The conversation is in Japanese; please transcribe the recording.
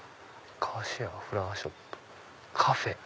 「カーシェア」「フラワーショップ」「カフェ」。